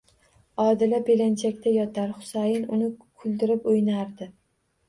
Odila belanchakda yotar, Husayin uni kuldirib, o'ynardi.